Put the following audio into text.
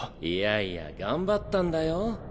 いやいや頑張ったんだよ？